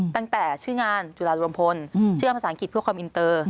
ตั้งแต่ชื่องานจุฬารมพลชื่อภาษาอังกฤษเพื่อความอินเตอร์